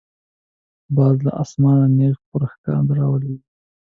باز له آسمانه نیغ پر ښکار را لویږي